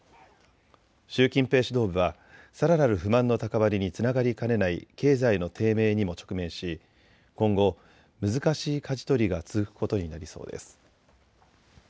習近平指導部はさらなる不満の高まりにつながりかねない経済の低迷にも直面し今後、難しいかじ取りが続くことになりそうです。